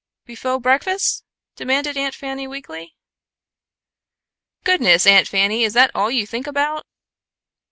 "Befo' breakfas'?" demanded Aunt Fanny weakly. "Goodness, Aunt Fanny, is that all you think about?"